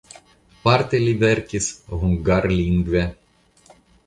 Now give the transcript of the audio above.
Parte li verkis hungarlingve.